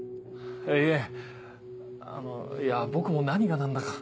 いえいや僕も何が何だか。